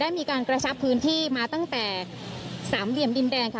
มีการกระชับพื้นที่มาตั้งแต่สามเหลี่ยมดินแดงค่ะ